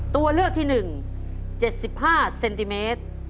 ตัวเลือกที่๑๗๕เซนติเมตร